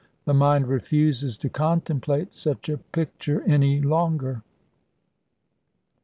The mind refuses to contemplate such a picture any longer!